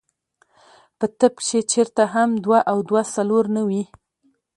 پۀ طب کښې چرته هم دوه او دوه څلور نۀ وي -